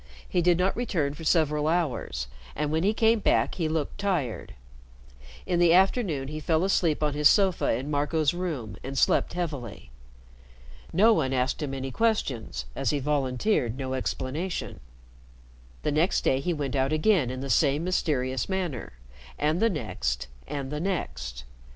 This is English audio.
He did not return for several hours, and when he came back he looked tired. In the afternoon he fell asleep on his sofa in Marco's room and slept heavily. No one asked him any questions as he volunteered no explanation. The next day he went out again in the same mysterious manner, and the next and the next.